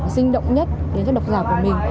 sinh động nhất đến các độc giáo của mình